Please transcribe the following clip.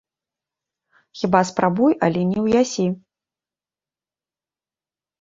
Хіба спрабуй, але не ўясі.